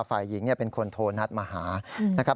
ฝ่ายหญิงเป็นคนโทรนัดมาหา